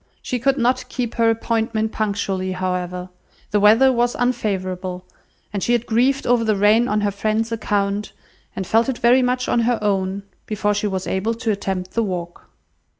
She could not keep her appointment punctually, however; the weather was unfavourable, and she had grieved over the rain on her friends' account, and felt it very much on her own, before she was able to attempt the walk.